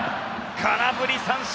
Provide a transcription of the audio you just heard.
空振り三振！